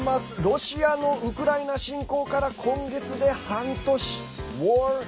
ロシアのウクライナ侵攻から今月で半年。